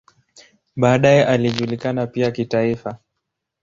Baadaye alijulikana pia kitaifa.